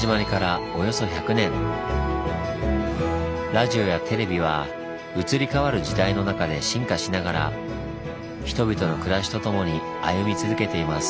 ラジオやテレビは移り変わる時代の中で進化しながら人々の暮らしとともに歩み続けています。